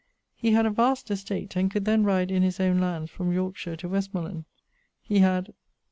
He had a vast estate, and could then ride in his owne lands from Yorkeshire to Westmorland. He had